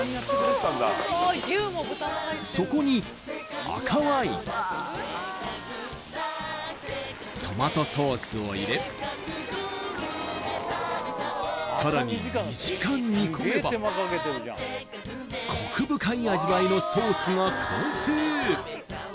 そこに赤ワイントマトソースを入れさらに２時間煮込めばコク深い味わいのソースが完成